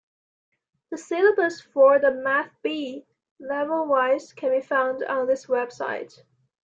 The syllabus for the Math Bee, level-wise, can be found on this website.